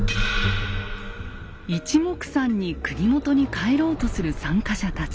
いちもくさんに国元に帰ろうとする参加者たち。